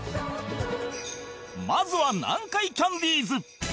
まずは南海キャンディーズ